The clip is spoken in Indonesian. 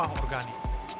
bahan bakar organik